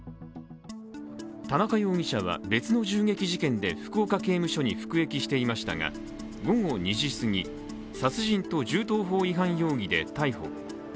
田中容疑者は、別の銃撃事件で福岡刑務所に服役していましたが午後２時すぎ、殺人と銃刀法違反容疑で逮捕。